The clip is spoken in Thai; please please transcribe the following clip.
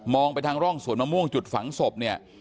มองไปทางร่องสวนมะม่วงจุดฝังศพ